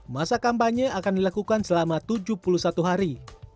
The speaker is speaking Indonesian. masa kampanye akan dilakukan selama tujuh puluh satu hari